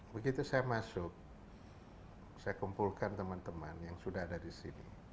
begitu saya masuk saya kumpulkan teman teman yang sudah ada di sini